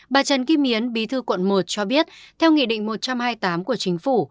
bà trần kim yến bí thư quận một cho biết theo nghị định một trăm hai mươi tám của chính phủ